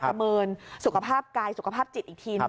ประเมินสุขภาพกายสุขภาพจิตอีกทีหนึ่ง